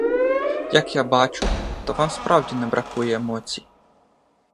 Як я бачу, то вам справді не бракує емоцій.